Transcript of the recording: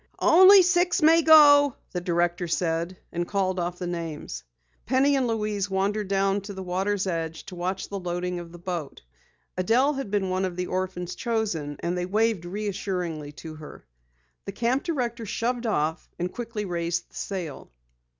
"Only six may go," the director said, and called off the names. Penny and Louise wandered down to the water's edge to watch the loading of the boat. Adelle had been one of the orphans chosen, and they waved reassuringly to her. The camp director shoved off, and quickly raised the sail.